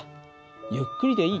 ゆっくりでいい。